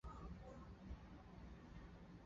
在中华民国必须申请持有。